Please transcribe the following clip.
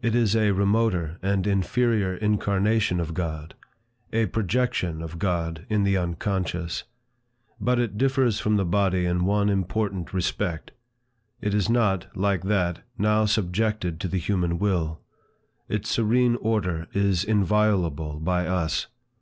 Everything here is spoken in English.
It is a remoter and inferior incarnation of God, a projection of God in the unconscious. But it differs from the body in one important respect. It is not, like that, now subjected to the human will. Its serene order is inviolable by us.